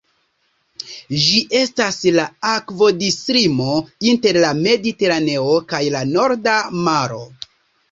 Ĝi estas la akvodislimo inter Mediteraneo kaj la Norda Maro.